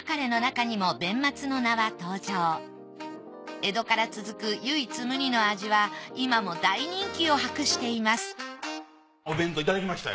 江戸から続く唯一無二の味は今も大人気を博していますお弁当いただきましたよ。